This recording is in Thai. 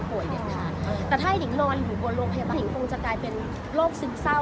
แต่ถ้าหญิงนอนอยู่บนโรงพยาบาลหิงคงจะกลายเป็นโรคซึมเศร้า